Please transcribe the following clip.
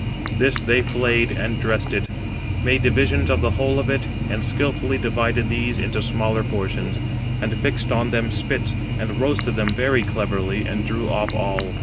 This they flayed, and dressed it; made divisions of the whole of it, and skilfully divided these into smaller portions, and fixed them on spits, and roasted them very cleverly, and drew off all.